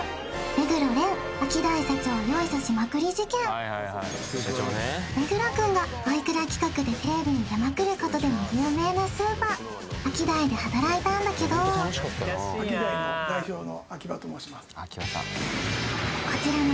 続いて目黒くんがおいくら企画でテレビに出まくることでも有名なスーパーアキダイで働いたんだけどアキダイの代表の秋葉と申します